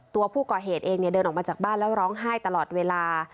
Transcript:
ตัวผู้ก่อเหตุเองเดินออกมาจากบ้านแล้วร้องไห้ตลอดเวลา